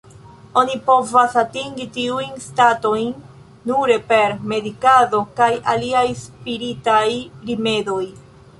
Oni povas atingi tiujn statojn nure per meditado kaj aliaj spiritaj rimedoj.